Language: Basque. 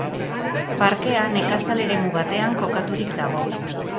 Parkea nekazal eremu batean kokaturik dago.